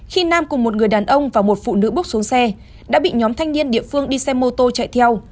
khi nam cùng một người đàn ông và một phụ nữ bước xuống xe đã bị nhóm thanh niên địa phương đi xe mô tô chạy theo